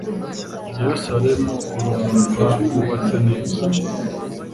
Yeruzalemu uri umurwa wubatse neza